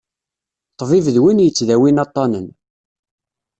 Ṭbib d win yettdawin aṭṭanen.